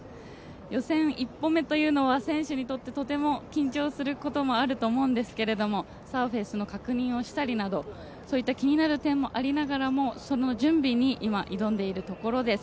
予選１本目というのは選手にとってはとても緊張することもあると思うんですけどサーフェスの確認をしたりなど、そういった気になる点もありながらもその準備に今、挑んでいるところです。